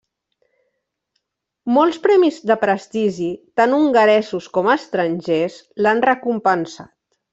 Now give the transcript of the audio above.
Molts premis de prestigi, tant hongaresos com estrangers, l'han recompensat.